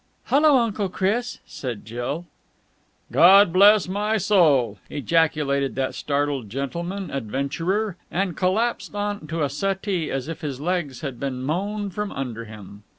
"Hullo, Uncle Chris!" said Jill. "God bless my soul!" ejaculated that startled gentleman adventurer, and collapsed on to a settee as if his legs had been mown from under him.